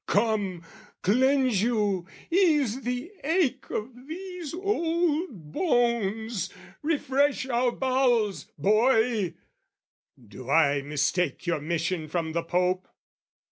Come, cleanse you, ease the ache "Of these old bones, refresh our bowels, boy!" Do I mistake your mission from the Pope?